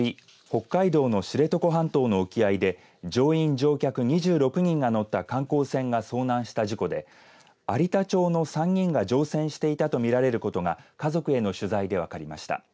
北海道の知床半島の沖合で乗員・乗客２６人が乗った観光船が遭難した事故で佐賀県有田町の３人が乗船していたと見られることが家族への取材で分かりました。